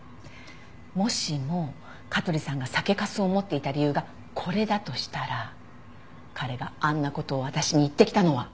もしも香取さんが酒粕を持っていた理由がこれだとしたら彼があんな事を私に言ってきたのは。